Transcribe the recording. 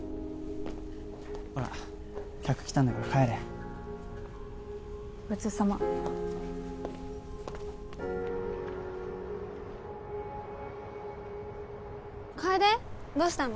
ほら客来たんだから帰れごちそうさま楓どうしたの？